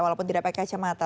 walaupun tidak pakai kacamata